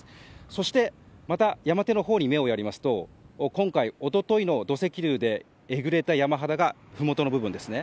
そして、また山手のほうに目をやりますと今回、一昨日の土石流でえぐれた山肌がふもとの部分ですね。